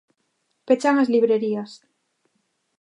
Pechan as librerías.